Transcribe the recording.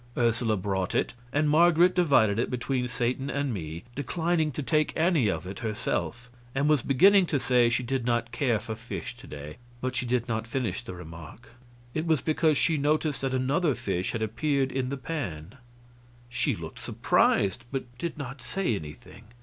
Ursula brought it, and Marget divided it between Satan and me, declining to take any of it herself; and was beginning to say she did not care for fish to day, but she did not finish the remark. It was because she noticed that another fish had appeared in the pan. She looked surprised, but did not say anything.